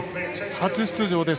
初出場です。